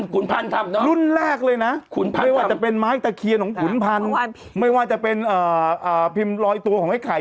ขุนพันธ์ทำเนอะขุนพันธ์ทำไม่ว่าจะเป็นไม้ตะเคียนของขุนพันธ์ไม่ว่าจะเป็นพิมพ์รอยตัวของไอ้ไข่